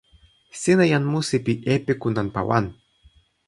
sina jan musi pi epiku nanpa wan.